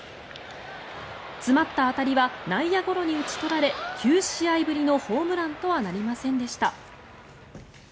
詰まった当たりは内野ゴロに打ち取られ９試合ぶりのホームランとはなりませんでした。